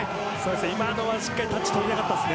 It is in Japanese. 今のはしっかりタッチ取りたかったです。